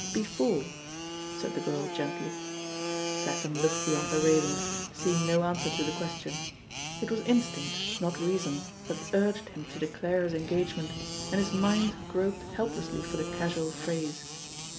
"Before I" said the girl gently. Tatham looked beyond the railings, seeing no answer to the question. It was instinct, not rea^ son, that urged him to declare his engagement, and his mind groped helplessly for the casual phrase.